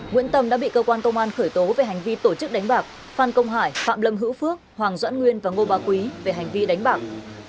nguyễn tâm đã bị cơ quan công an khởi tố về hành vi tổ chức đánh bạc phan công hải phạm lâm hữu phước hoàng doãn nguyên và ngô bà quý về hành vi đánh bạc